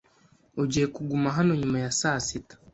Ugiye kuguma hano nyuma ya saa sita?